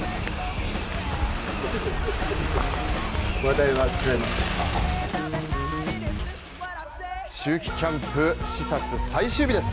第一声秋季キャンプ視察最終日です。